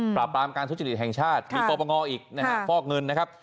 ปราบปรามการทุจริตแห่งชาติมีปปงอีกนะฮะฟอกเงินนะครับ